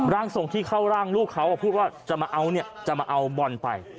ร่างทรงที่เข้าร่างลูกเขาพูดว่าจะมาเอาบอลไป